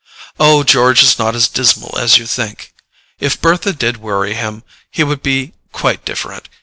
"Oh, George is not as dismal as you think. If Bertha did worry him he would be quite different.